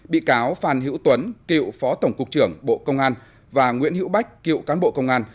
bị cáo phan hữu tuấn cựu phó tổng cục trưởng bộ công an và nguyễn hữu bách cựu cán bộ công an